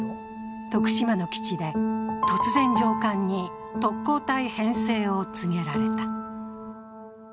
徳島の基地で突然、上官に特攻隊編成を告げられた。